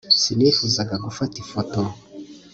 Sinifuzaga gufata ifoto